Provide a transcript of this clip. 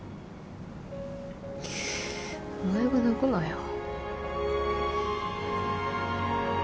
お前が泣くなよ。